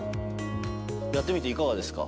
やってみていかがですか？